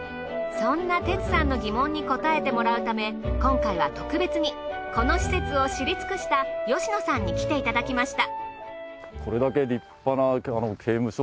そんな哲さんの疑問に答えてもらうため今回は特別にこの施設を知り尽くした吉野さんに来ていただきました。